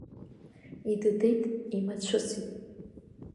Идыдит, имацәысит.